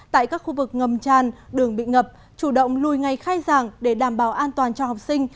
tại các khu vực ngầm tràn đường bị ngập chủ động lùi ngay khai giảng để đảm bảo an toàn cho học sinh